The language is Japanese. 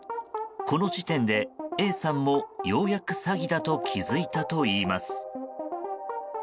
この時点でＡさんも、ようやく詐欺だと気付いたといいます。